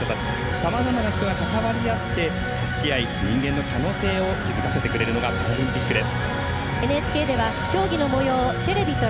さまざまな人が関わり合って助け合い人間の可能性を気付かせてくれるのがパラリンピックです。